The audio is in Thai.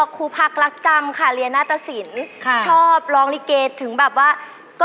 ขุพักรักจำเรียนหน้าศิลป์ชอบร้องริเกษ